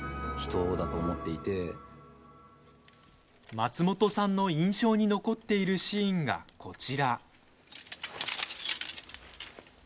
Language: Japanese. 松本さんの印象に残っているシーンがこちら。